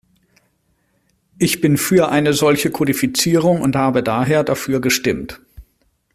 Ich bin für eine solche Kodifizierung und habe daher dafür gestimmt.